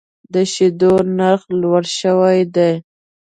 د شیدو نرخ لوړ شوی دی.